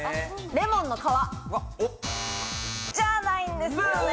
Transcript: レモンの皮。じゃないんですよね。